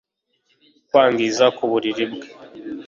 kwangiza ku buriri bwe